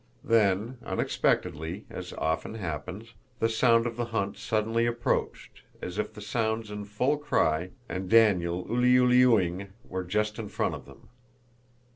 Then, unexpectedly, as often happens, the sound of the hunt suddenly approached, as if the hounds in full cry and Daniel ulyulyuing were just in front of them.